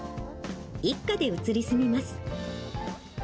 一家で移り住みます。